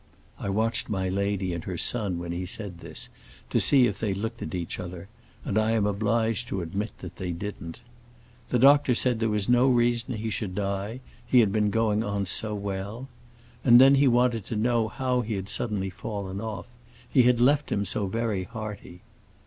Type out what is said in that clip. I watched my lady and her son when he said this, to see if they looked at each other, and I am obliged to admit that they didn't. The doctor said there was no reason he should die; he had been going on so well. And then he wanted to know how he had suddenly fallen off; he had left him so very hearty.